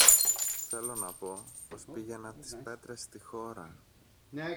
Θέλω να πω, πως πήγαινα τις πέτρες στη χώρα